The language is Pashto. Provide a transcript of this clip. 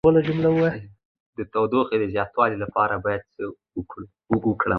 د ټوخي د زیاتوالي لپاره باید څه وکړم؟